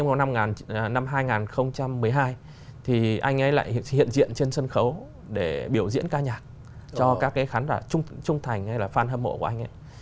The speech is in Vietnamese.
năm hai nghìn một mươi hai thì anh ấy lại hiện diện trên sân khấu để biểu diễn ca nhạc cho các cái khán giả trung trung thành hay là phan hâm mộ của anh ấy